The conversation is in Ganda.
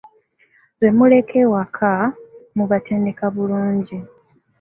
Bemuleka ewaka mubatendeke bulungi.